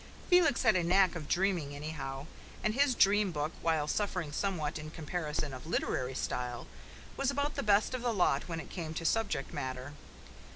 Felix had a knack of dreaming anyhow, and his dream book, while suffering somewhat in comparison of literary style, was about the best of the lot when it came to subject matter.